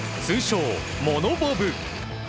通称、モノボブ。